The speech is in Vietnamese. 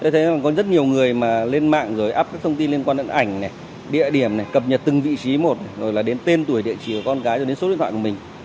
thế nên là có rất nhiều người mà lên mạng rồi up các thông tin liên quan đến ảnh địa điểm cập nhật từng vị trí một rồi là đến tên tuổi địa chỉ của con gái rồi đến số điện thoại của mình